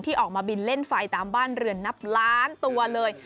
ออกมาบินเล่นไฟตามบ้านเรือนนับล้านตัวเลย